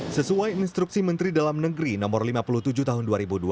sesuai instruksi menteri dalam negeri no lima puluh tujuh tahun dua ribu dua puluh